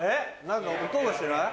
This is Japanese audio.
何か音がしてない？